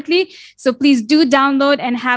jadi tolong download dan lihat